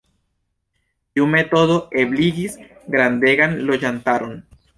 Tiu metodo ebligis grandegan loĝantaron.